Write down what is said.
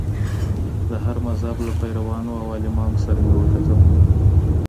د هر مذهب له پیروانو او عالمانو سره مې وکتل.